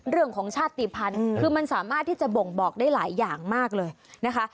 เรื่องของชาติภัณฑ์คือมันสามารถที่จะบ่งบอกได้หลายอย่างมากเลยนะคะ